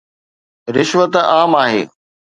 رشوت عام آهي.